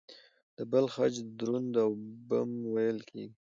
د بل خج دروند او بم وېل کېږي.